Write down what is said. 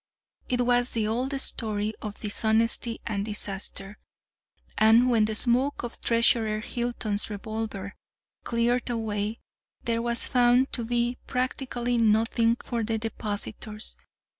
It was the old story of dishonesty and disaster, and when the smoke of Treasurer Hilton's revolver cleared away there was found to be practically nothing for the depositors.